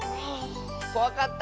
こわかった？